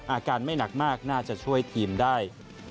อาการไม่หนักมากน่าจะช่วยทีมได้